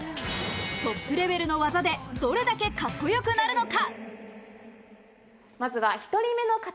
トップレベルの技でどれだけカッコよくなるのか。